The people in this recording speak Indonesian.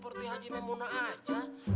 cuman saya gak mau datang ke pengajian umi